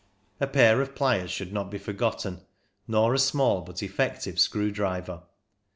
A pair of pliers should not be forgotten, nor a small but effective screw driver.